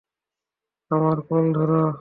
আমার কল ধরো।